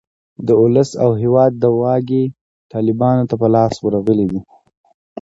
د اولس او هیواد واګې طالیبانو ته په لاس ورغلې دي.